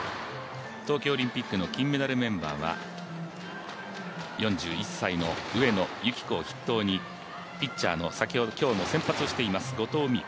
東京オリンピックの金メダルメンバーは４１歳の上野由岐子を筆頭にピッチャーの今日も先発をしています、後藤希友